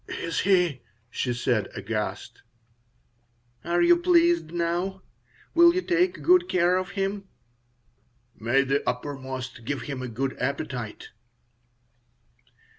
"Is he?" she said, aghast "Are you pleased now? Will you take good care of him?" "May the Uppermost give him a good appetite."